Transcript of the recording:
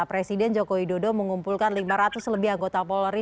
presiden jokowi dodo mengumpulkan lima ratus lebih anggota polri